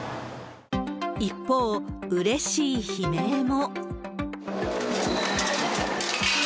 一方、うれしい悲鳴も。